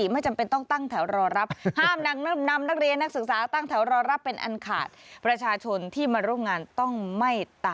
ไม่ต้องรอนแล้วก็รอนไง